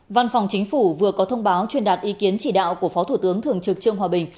văn phòng chính phủ vừa có thông báo truyền đạt ý kiến chỉ đạo của phó thủ tướng thường trực trương hòa bình